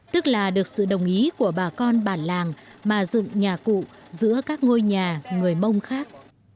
tức là được sự đồng ý của bà con bản làng mà dựng nhà cụ giữa các ngôi nhà người mông khác